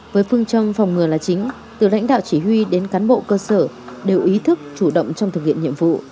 với phương châm phòng ngừa là chính từ lãnh đạo chỉ huy đến cán bộ cơ sở đều ý thức chủ động trong thực hiện nhiệm vụ